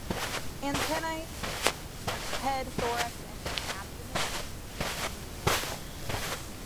Antennae, head, thorax and abdomen similarly coloured.